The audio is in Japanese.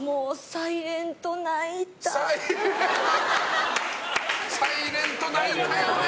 「ｓｉｌｅｎｔ」泣いたよね。